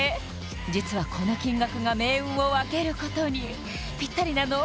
実はこの金額が命運を分けることにぴったりなの？